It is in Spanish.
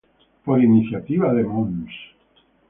Por iniciativa de mons.